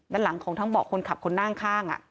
ด้านหลังของทั้งเบาะคนขับคนนั่งข้าง